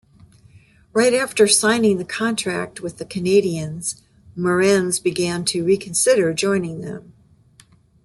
Right after signing the contract with the Canadiens, Morenz began to reconsider joining them.